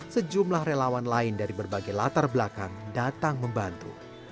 sejumlah relawan lain dari berbagai latar belakang datang membantu